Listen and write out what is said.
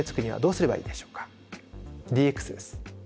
ＤＸです。